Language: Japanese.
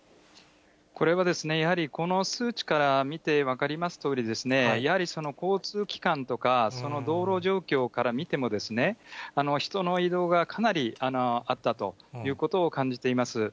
これは、やはりこの数値から見て分かりますとおり、やはり交通機関とか、その道路状況から見ても、人の移動がかなりあったということを感じています。